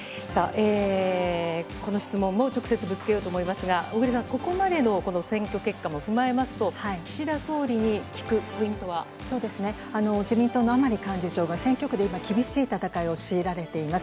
この質問も直接ぶつけようと思いますが、小栗さん、ここまでのこの選挙結果も踏まえますと、そうですね、自民党の甘利幹事長、選挙区で今、厳しい戦いを強いられています。